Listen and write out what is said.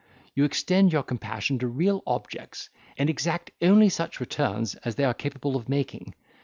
You extend your compassion to real objects, and exact only such returns as they are capable of making.